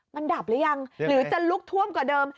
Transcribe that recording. มันดับหรือยังหรือจะลุกท่วมกว่าเดิม